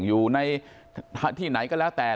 อยู่ในที่ไหนก็แล้วแต่